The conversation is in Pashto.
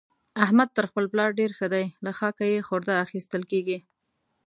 احمد تر خپل پلار ډېر ښه دی؛ له خاکه يې خورده اخېستل کېږي.